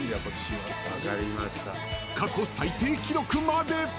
過去最低記録まで。